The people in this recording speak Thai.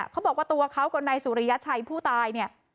เขาบอกว่าตัวเขากับนายสุริยชัยผู้ตายเนี่ย